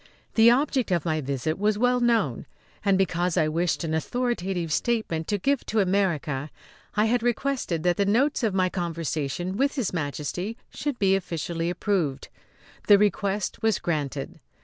The object of my visit was well known; and, because I wished an authoritative statement to give to America, I had requested that the notes of my conversation with His Majesty should be officially approved. This request was granted.